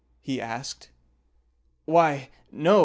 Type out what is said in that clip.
he asked. "Why, no!